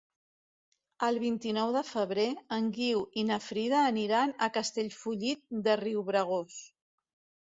El vint-i-nou de febrer en Guiu i na Frida aniran a Castellfollit de Riubregós.